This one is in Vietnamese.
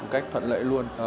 cách thuận lợi luôn